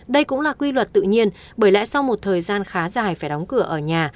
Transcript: đây cũng là quy luật tự nhiên bởi lẽ sau một thời gian khá dài phải đóng cửa ở nhà